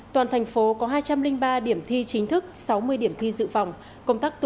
toàn thành phố có hai trăm linh ba điểm thi chính thức sáu mươi điểm thi dự phòng